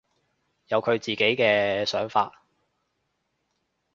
有佢自己嘅想法